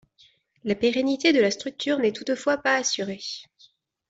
La pérennité de la structure n'est toutefois pas assurée.